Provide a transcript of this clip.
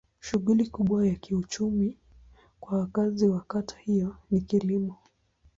Shughuli kubwa ya kiuchumi kwa wakazi wa kata hiyo ni kilimo.